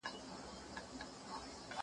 زه جواب نه ورکوم..